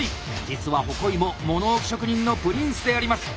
実は鉾井も物置職人のプリンスであります。